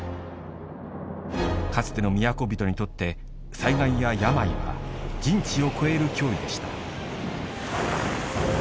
かつての都人にとって災害や病は人智を超える脅威でした。